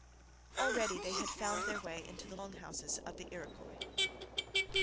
Already they had found their way into the Long Houses of the Iroquois.